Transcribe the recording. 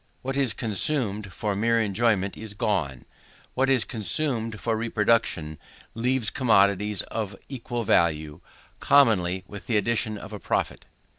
What is consumed for mere enjoyment, is gone; what is consumed for reproduction, leaves commodities of equal value, commonly with the addition of a profit.